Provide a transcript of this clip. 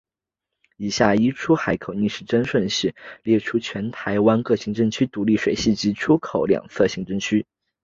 以下依出海口位置逆时针顺序列出全台湾各行政区独立水系及其出海口两侧行政区。